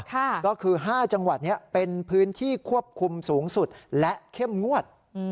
ก็คือ๕จังหวัดนี้เป็นพื้นที่ควบคุมสูงสุดและเข้มงวด